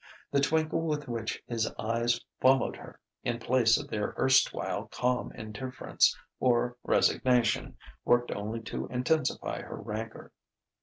The twinkle with which his eyes followed her, in place of their erstwhile calm indifference or resignation, worked only to intensify her rancour.